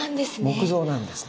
木造なんですね。